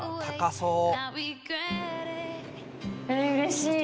うれしい。